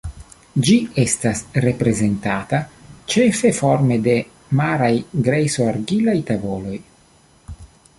Ĝi estas reprezentata ĉefe forme de maraj grejso-argilaj tavoloj.